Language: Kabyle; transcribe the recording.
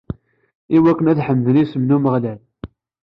Iwakken ad ḥemden isem n Umeɣlal.